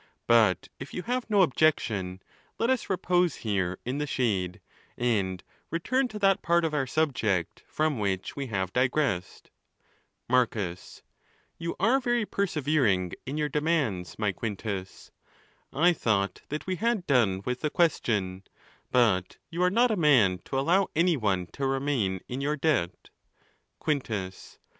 But if you have no objection, let us repose here in the shade, and return to that part of our subject from which we have digressed. Marcus.x—You are very persevering in your demands, my Quintus! I thought that we had done with the question ; but you are not a man to allow any one to remain in your debt. Quintus.